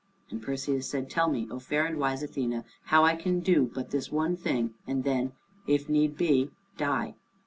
And Perseus said, "Tell me, O fair and wise Athene, how I can do but this one thing, and then, if need be, die."